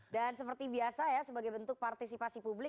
dan seperti biasa ya sebagai bentuk partisipasi publik